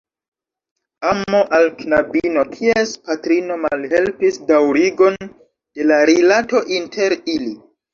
Amo al knabino, kies patrino malhelpis daŭrigon de la rilato inter ili.